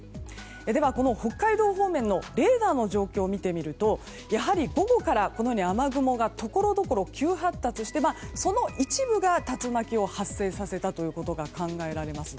では、北海道方面のレーダーの状況を見てみるとやはり午後から雨雲がところどころ急発達してその一部が竜巻を発生させたということが考えられます。